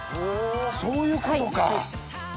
そういうことか！